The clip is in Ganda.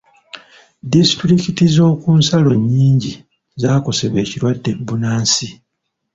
Disitulikiti z'oku nsalo nnyingi zaakosebwa ekirwadde bbunansi.